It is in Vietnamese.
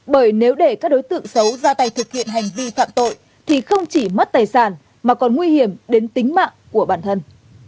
bởi nếu để các đối tượng xấu ra tay thực hiện hành vi phạm tội thì không chỉ mất tài sản mà còn nguy hiểm đến tính mạng của bản thân